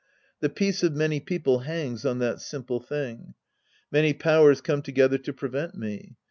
The peace of many people hangs on that simple thing. Many powers come together to prevent me.